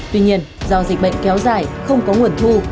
tuy nhiên do dịch bệnh kéo dài không có nguồn thu